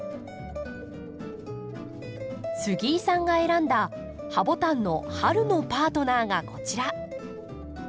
杉井さんが選んだハボタンの春のパートナーがこちら。